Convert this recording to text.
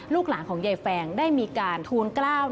ลูกหลานของยายแฟงได้มีการทูลกล้าว